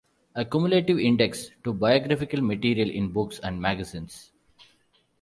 A cumulative index to biographical material in books and magazines.